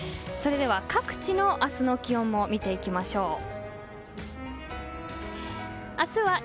それでは、各地の明日の気温も見ていきましょう。